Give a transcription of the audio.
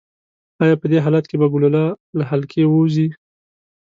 ایا په دې حالت کې به ګلوله له حلقې ووځي؟